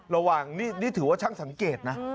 ระหว่างนี่ถือว่าช่างสังเกตนะ